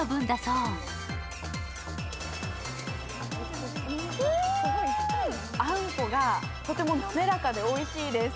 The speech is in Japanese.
うん、あんこがとてもなめらかでおいしいです。